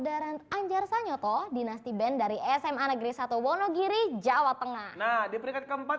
daran anjar sanyoto dinasti band dari sma negeri satu wonogiri jawa tengah nah di peringkat keempat